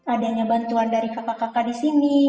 adanya bantuan dari kakak kakak di sini